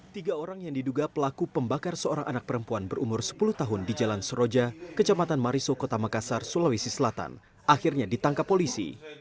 tiga orang yang diduga pelaku pembakar seorang anak perempuan berumur sepuluh tahun di jalan suroja kecamatan mariso kota makassar sulawesi selatan akhirnya ditangkap polisi